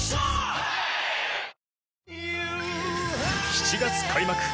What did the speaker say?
７月開幕